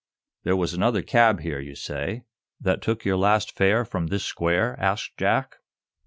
"There was another cab here, you say, that took your last 'fare' from this square?" asked Jack.